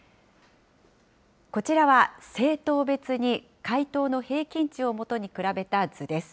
こちらは、政党別に回答の平均値を基に比べた図です。